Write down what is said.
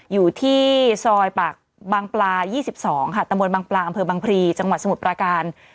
อยู่ที่ซอยปากบางปลายี่สิบสองค่ะตะมนต์บางปลาอำเภอบางพรีจังหวัดสมุดประการ